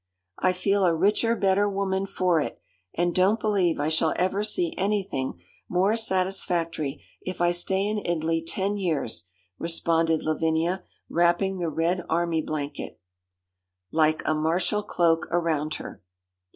'I feel a richer, better woman for it, and don't believe I shall ever see anything more satisfactory if I stay in Italy ten years,' responded Lavinia, wrapping the red army blanket 'Like a martial cloak around her.'